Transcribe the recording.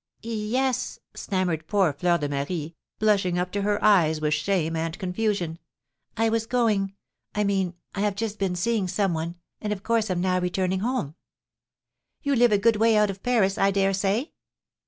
"Yes," stammered poor Fleur de Marie, blushing up to her eyes with shame and confusion; "I was going I mean I have just been seeing some one, and, of course, am now returning home." "You live a good way out of Paris, I dare say?